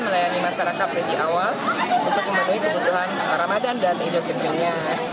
melayani masyarakat lebih awal untuk memenuhi kebutuhan ramadan dan idul fitrinya